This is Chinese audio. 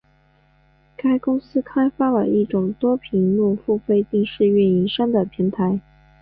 该公司开发了一种多屏幕付费电视运营商的平台。